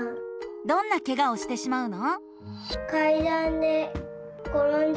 どんなケガをしてしまうの？